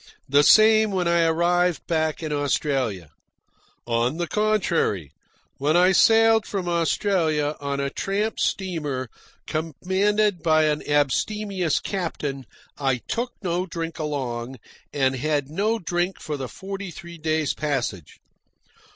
The same when I arrived back in Australia. On the contrary, when I sailed from Australia on a tramp steamer commanded by an abstemious captain, I took no drink along, and had no drink for the forty three days' passage.